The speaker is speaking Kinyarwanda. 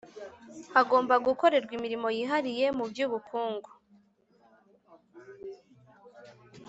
Hagomba gukorerwa imirimo yihariye mu by’ubukungu